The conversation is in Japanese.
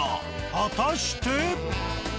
果たして。